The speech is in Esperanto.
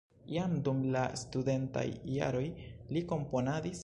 Jam dum la studentaj jaroj li komponadis.